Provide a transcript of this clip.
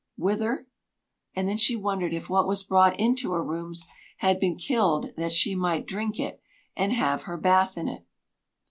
whither? And then she wondered if what was brought into her rooms had been killed that she might drink it, and have her bath in it.